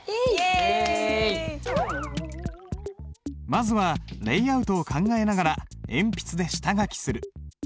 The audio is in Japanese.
まずはレイアウトを考えながら鉛筆で下書きする。